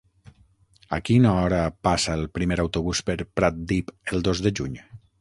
A quina hora passa el primer autobús per Pratdip el dos de juny?